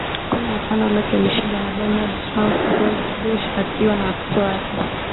kumi na tano lakini alishindwa na Donald TrumpGeorge Bush akiwa na watoto wake